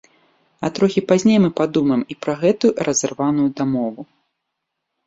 А трохі пазней мы падумаем і пра гэтую разарваную дамову.